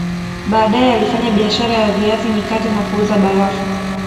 Baadae alifanya biashara ya viazi mikate na kuuza barafu